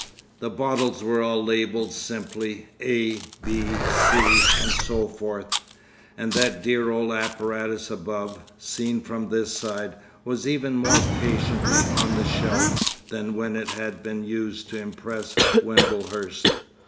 The bottles were all labelled simply A, B, C, and so forth, and that dear old apparatus above, seen from this side, was even more patiently "on the shelf" than when it had been used to impress Wimblehurst.